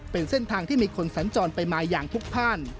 เป็นเส้นทางที่มีคนสัญจรไปมาอย่างพลุกพ่าน